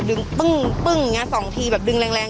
ดึงปึ้งอย่างเงี้ย๒ทีแบบดึงแรง